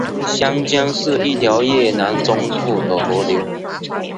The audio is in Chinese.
香江是一条越南中部的河流。